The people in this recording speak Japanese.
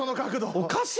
おかしい。